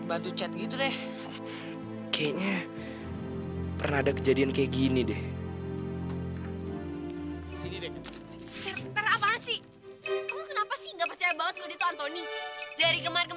antoni tuh orangnya baik